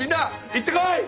行ってこい！